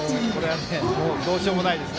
どうしようもないです